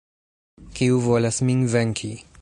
Kiu volas min venki?